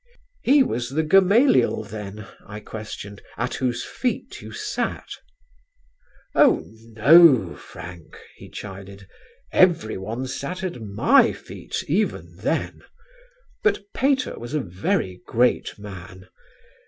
"He was the Gamaliel then?" I questioned, "at whose feet you sat?" "Oh, no, Frank," he chided, "everyone sat at my feet even then. But Pater was a very great man.